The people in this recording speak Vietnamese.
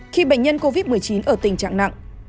khi bệnh nhân covid một mươi chín ở tình trạng nặng